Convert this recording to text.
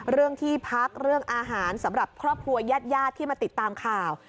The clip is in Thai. เรื่องที่พักเรื่องอาหารสำหรับครอบครัวยาดที่มาติดตามข่าว